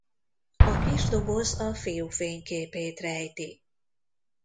A kis doboz a fiú fényképét rejti.